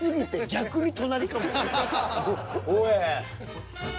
おい。